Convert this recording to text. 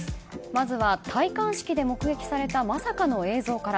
まずは戴冠式で目撃されたまさかの映像から。